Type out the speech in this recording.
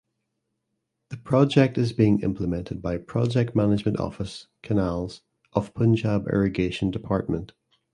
The Project is being implemented by Project Management Office (Canals) of Punjab Irrigation Department.